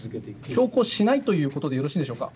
強行しないということでよろしいんでしょうか？